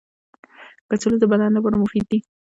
کچالو د بدن لپاره مفید دي